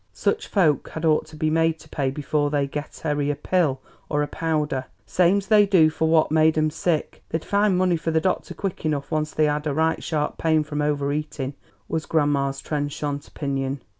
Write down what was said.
"Such folks had ought to be made to pay before they get 'ary a pill or a powder, same 's they do for what made 'em sick. They'd find money for the doctor quick enough once they had a right sharp pain from over eating," was grandma's trenchant opinion.